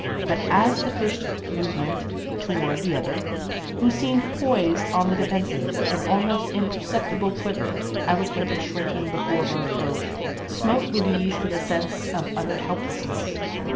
But at the first movement to ward the other, who seemed poised on the defensive, an almost imperceptible quiver, eloquent of shrinking before her approach, smote Louise with a sense of utter helplessness.